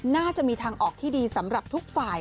น่าจะมีทางออกที่ดีสำหรับทุกฝ่าย